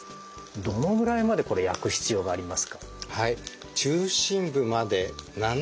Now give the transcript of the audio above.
どのぐらいまでこれ焼く必要がありますか？